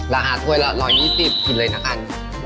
ราคาถ้วย๑๒๐บาทกินเลยนะคัน